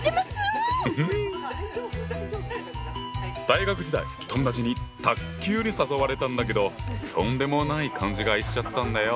大学時代友達に卓球に誘われたんだけどとんでもない勘違いしちゃったんだよ！